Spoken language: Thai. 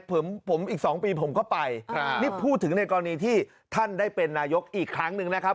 ผมผมอีก๒ปีผมก็ไปนี่พูดถึงในกรณีที่ท่านได้เป็นนายกอีกครั้งหนึ่งนะครับ